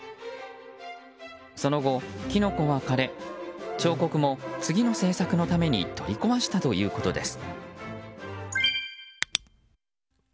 その後、キノコは枯れ彫刻も、次の制作のために取り壊したということです。